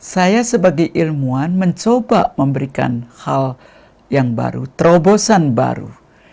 saya sebagai ilmuwan mencoba memberikan hal yang baru terobosan baru